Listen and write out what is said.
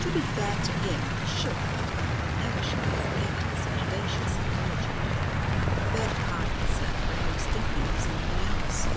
To be fair to him, he shook, but never shall I forget his audacious apology, "Beg pardon, sir, but I was thinking of something else."